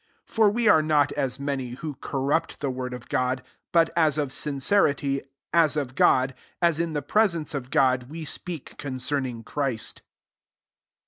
17 For we are not as many, who corrupt| the word of God : but, as of sincerity, as of God, aa in the presence of God, we speak con cerning Christ.